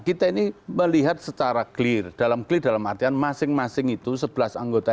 kita ini melihat secara clear dalam clear dalam artian masing masing itu sebelas anggota